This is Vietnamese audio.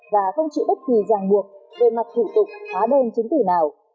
và không chịu bất kỳ ràng buộc về mặt thủ tục hóa đơn chứng tử nào